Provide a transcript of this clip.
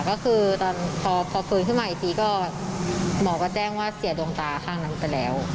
ก็คือตอนพอฟื้นขึ้นมาอีกทีก็หมอก็แจ้งว่าเสียดวงตาข้างนั้นไปแล้ว